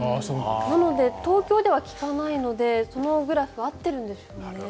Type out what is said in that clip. なので、東京では聞かないのでそのグラフは合っているんでしょうね。